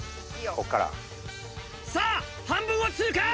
さぁ半分を通過